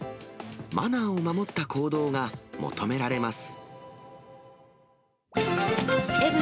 マナーを守った行動が求められます。